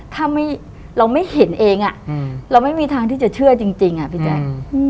ถ้าเราไม่เห็นเองเราไม่มีทางที่จะเชื่อจริงพี่แจ๊ค